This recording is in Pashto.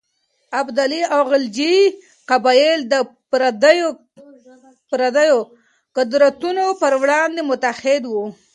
ابدالي او غلجي قبایل د پرديو قدرتونو پر وړاندې متحد وو.